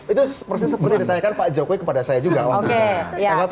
itu persis seperti yang ditanyakan pak jokowi kepada saya juga waktu itu